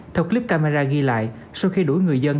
theo clip camera ghi lại sau khi đuổi người dân